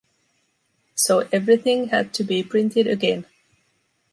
So everything had to be printed again.